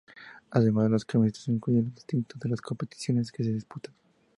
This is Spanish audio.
Además, las camisetas incluyen los distintivos de las competiciones que se disputan.